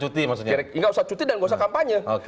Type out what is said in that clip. tidak usah cuti dan nggak usah kampanye